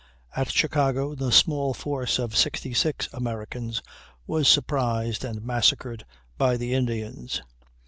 At Chicago the small force of 66 Americans was surprised and massacred by the Indians.